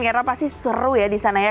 karena pasti seru ya di sana ya